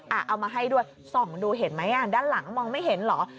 เอามาให้ด้วยส่องดูเห็นไหมอ่ะด้านหลังมองไม่เห็นเหรอ